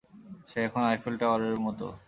সে এখন আইফেল টাওয়ারের মতো।